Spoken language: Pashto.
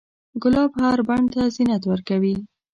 ګلاب هر بڼ ته زینت ورکوي.